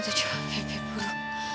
itu itu cuma